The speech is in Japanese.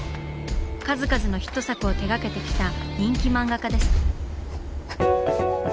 数々のヒット作を手がけてきた人気漫画家です。